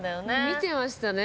見てましたね。